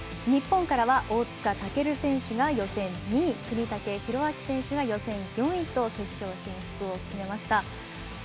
日本からは大塚健選手が予選２位國武大晃選手が予選４位と決勝進出を決めました。